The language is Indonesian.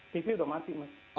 tv sudah mati